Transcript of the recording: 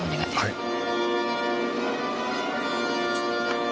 はい。